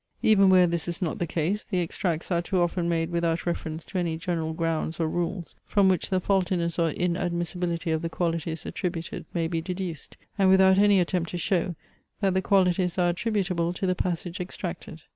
Even where this is not the case, the extracts are too often made without reference to any general grounds or rules from which the faultiness or inadmissibility of the qualities attributed may be deduced; and without any attempt to show, that the qualities are attributable to the passage extracted.